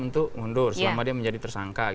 untuk mundur selama dia menjadi tersangka